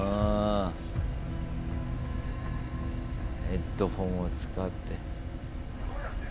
ヘッドホンを使って。